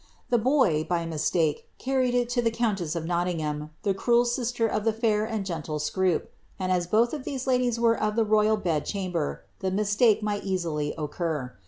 The boy, by mistake, carried it to the countess of Not (ham, the cruel sister of the fair and gentle Scroope ; and as both of se ladies were of the royal bed chamber, the mistake might easily nr.